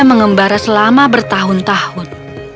dan mengembara selama bertahun tahun